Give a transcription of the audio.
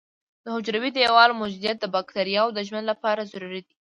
د حجروي دیوال موجودیت د بکټریاوو د ژوند لپاره ضروري دی.